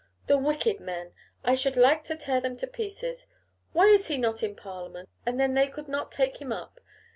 The wicked men; I should like to tear them to pieces. Why is not he in Parliament? and then they could not take him up.